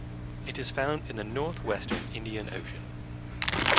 It is found in the north western Indian Ocean.